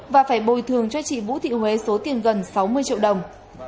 và phải bồi thường cho chị vũ thị huế số tiền gần sáu mươi triệu đồng